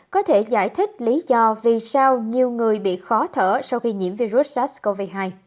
có thể giải thích lý do vì sao nhiều người bị khó thở sau khi nhiễm virus sars cov hai